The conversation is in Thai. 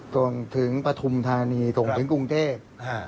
ส่งถึงปฐุมธานีส่งถึงกรุงเทพฯ